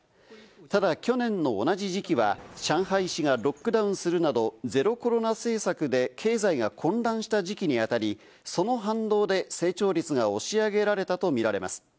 ただ去年の同じ時期は上海市がロックダウンするなど、ゼロコロナ政策で経済が混乱した時期にあたり、その反動で成長率が押し上げられたと見られます。